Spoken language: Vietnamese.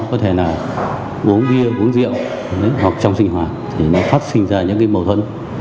có thể là uống bia uống rượu hoặc trong sinh hoạt thì nó phát sinh ra những cái mâu thuẫn